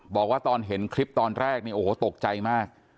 บอกว่าตอนเห็นคลิปตอนแรกเนี่ยโอ้โหตกใจมาก